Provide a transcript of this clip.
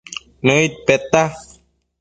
Nëid peta